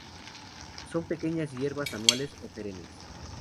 Son pequeñas hierbas anuales o perennes.